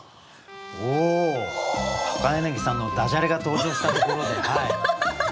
おお柳さんのだじゃれが登場したところで。